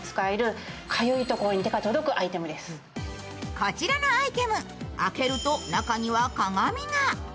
こちらのアイテム開けると中には鏡が。